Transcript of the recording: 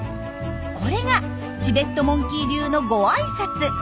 これがチベットモンキー流のごあいさつ。